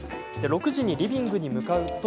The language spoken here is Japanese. ６時にリビングに向かうと。